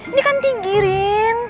ini kan tinggi rin